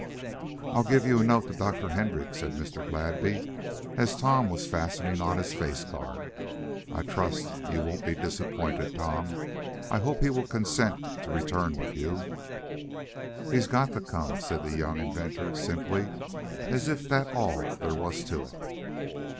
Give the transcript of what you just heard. "I'll give you a note to Dr. Hendrix," said Mr. Gladby, as Tom was fastening on his faceguard. "I I trust you won't be disappointed, Tom. I hope he will consent to return with you." "He's got to come," said the young inventor, simply, as if that was all there was to it.